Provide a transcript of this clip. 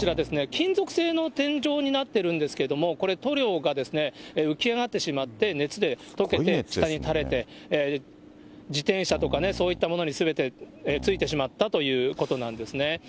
金属製の天井になっているんですけれども、これ塗料がですね、浮き上がってしまって、熱で溶けて下にたれて、自転車とかね、そういったものにすべてついてしまったということなんですね。